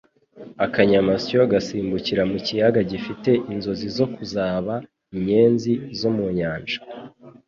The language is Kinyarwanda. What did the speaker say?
Akanyamasyo gasimbukira mu kiyaga gifite inzozi zo kuzaba inyenzi zo mu nyanja.